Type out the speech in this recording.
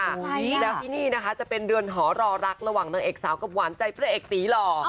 แล้วที่นี่นะคะจะเป็นเดือนหอรอรักระหว่างนางเอกสาวกับหวานใจพระเอกตีหล่อ